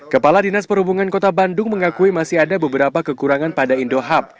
kepala dinas perhubungan kota bandung mengakui masih ada beberapa kekurangan pada indo hub